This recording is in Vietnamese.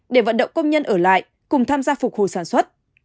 để vận động công nhân ở lại cùng tham gia phục hồi sản xuất